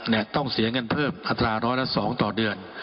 เนี่ยต้องเสียเงินเพิ่มอัตราระ๑๐๒ต่อเดือน